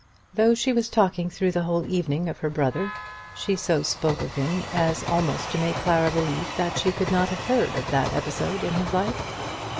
Though she was talking through the whole evening of her brother, she so spoke of him as almost to make Clara believe that she could not have heard of that episode in his life.